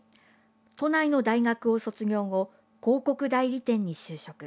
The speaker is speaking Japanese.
都内の大学を卒業後広告代理店に就職。